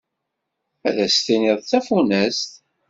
Ad s-tiniḍ d tafunast.